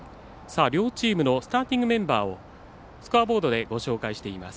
両チームのスターティングメンバーをスコアボードでご紹介します。